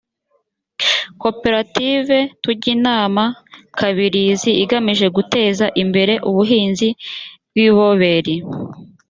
koperative tujyinama kabirizi igamije guteza imbere ubuhinzi bw’iboberi